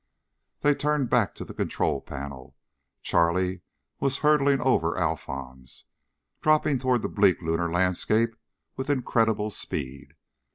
They turned back to the control panel. Charlie was hurtling over Alphons, dropping toward the bleak lunar landscape with incredible speed.